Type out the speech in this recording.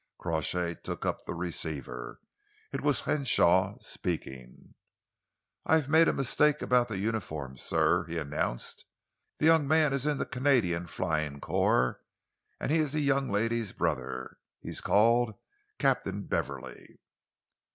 Crawshay took up the receiver. It was Henshaw speaking. "I made a mistake about the uniform, sir," he announced. "The young man is in the Canadian Flying Corps and he is the young lady's brother. He is called Captain Beverley."